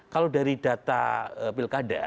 kalau dari data pilkada